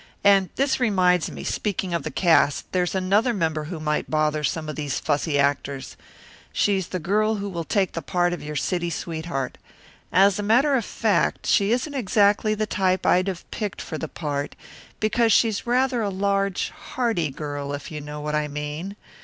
And this reminds me, speaking of the cast, there's another member who might bother some of these fussy actors. She's the girl who will take the part of your city sweetheart. As a matter of fact, she isn't exactly the type I'd have picked for the part, because she's rather a large, hearty girl, if you know what I mean.